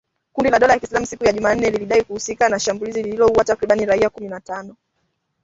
Kundi la dola ya Kiislamu siku ya Jumanne ,lilidai kuhusika na shambulizi lililoua takribani raia kumi na watano